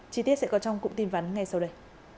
chi tiết sẽ có trong cụm tin vắn ngay sau đây